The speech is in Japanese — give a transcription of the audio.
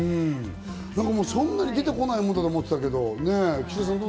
そんなに出てこないものだと思ってたけど。